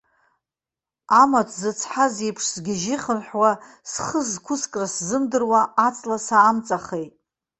Амаҭ зыцҳаз иеиԥш сгьежьы-хынҳәуа, схы зқәыскра сзымдыруа аҵла саамҵахеит.